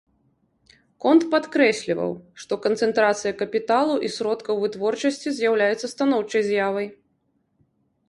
Конт падкрэсліваў, што канцэнтрацыя капіталу і сродкаў вытворчасці з'яўляецца станоўчай з'явай.